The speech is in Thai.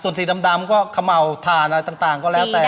ส่วนสีดำก็เขม่าวถ่านอะไรต่างก็แล้วแต่